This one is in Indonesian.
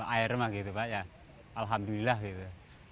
air mah gitu pak ya alhamdulillah gitu